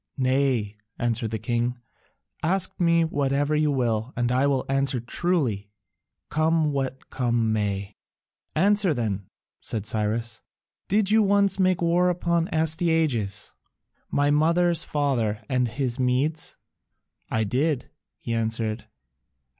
"Nay," answered the king, "ask me whatever you will, and I will answer truly, come what come may." "Answer then," said Cyrus, "did you once make war upon Astyages, my mother's father, and his Medes?" "I did," he answered.